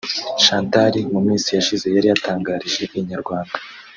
Chantal mu minsi yashize yari yatangarije Inyarwanda